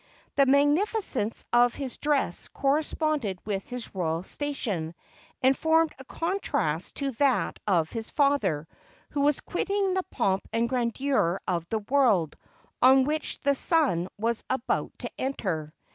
The magnificence of his dress corresponded with his royal station, and formed a contrast to that of his father, who was quitting the pomp and grandeur of the world, on which the son was about to enter.